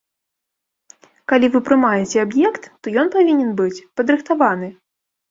Калі вы прымаеце аб'ект, то ён павінен быць падрыхтаваны.